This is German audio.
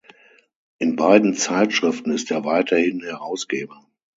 In beiden Zeitschriften ist er weiterhin Herausgeber.